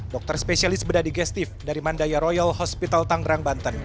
dokter spesialis bedah digestif dari mandaya royal hospital tangerang banten